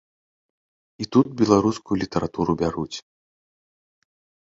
І тут беларускую літаратуру бяруць.